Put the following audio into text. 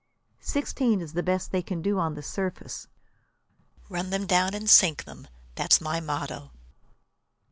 Sixteen is the best they can do on the surface. Run them down and sink them, that's my motto."